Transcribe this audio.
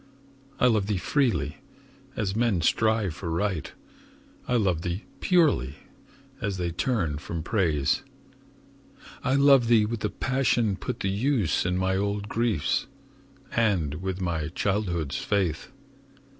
I love thee freely, as men strive for Right; I love thee purely, as they turn from Praise. I love thee with the passion put to use In my old griefs, and with my childhood's faith.